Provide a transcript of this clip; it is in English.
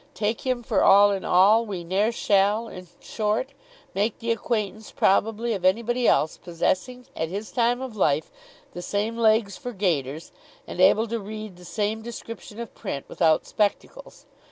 Take him for all in all, we ne'er shall in short, make the acquaintance, probably, of anybody else possessing, at his time of life, the same legs for gaiters, and able to read the same description of print, without spectacles.